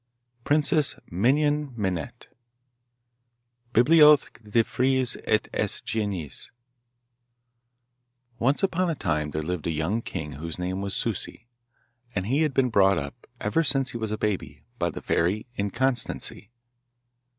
Princess Minon minette Bibliotheque des Fees et aes Genies Once upon a time there lived a young king whose name was Souci, and he had been brought up, ever since he was a baby, by the fairy Inconstancy.